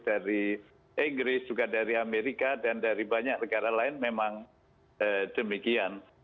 dari inggris juga dari amerika dan dari banyak negara lain memang demikian